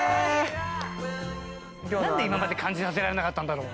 なんで今まで感じさせられなかったんだろう？